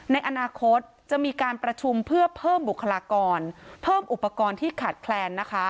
ในอนาคตจะมีการประชุมเพื่อเพิ่มบุคลากรเพิ่มอุปกรณ์ที่ขาดแคลนนะคะ